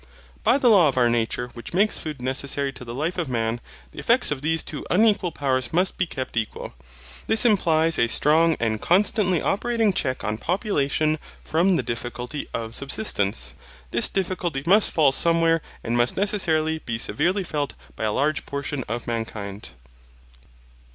By that law of our nature which makes food necessary to the life of man, the effects of these two unequal powers must be kept equal. This implies a strong and constantly operating check on population from the difficulty of subsistence. This difficulty must fall somewhere and must necessarily be severely felt by a large portion of mankind.